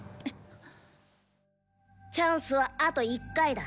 チャンスはあと１回だ。